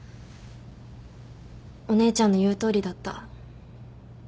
お姉ちゃんの言うとおりだった。